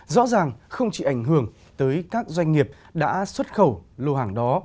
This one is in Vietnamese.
rõ ràng không chỉ ảnh hưởng tới các doanh nghiệp đã xuất khẩu lô hàng đó